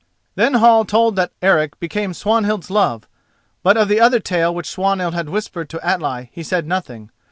Then Hall told that Eric became Swanhild's love, but of the other tale which Swanhild had whispered to Atli he said nothing.